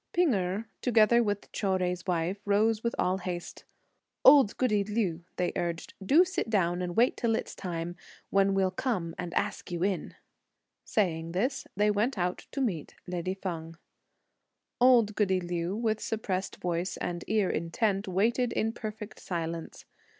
P'ìng Erh, together with Chou Jui's wife, rose with all haste. "Old goody Liu," they urged, "do sit down and wait till it's time, when we'll come and ask you in." Saying this, they went out to meet lady Feng. Old goody Liu, with suppressed voice and ear intent, waited in perfect silence.